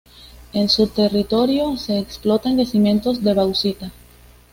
En su territorio se explotan yacimientos de bauxita.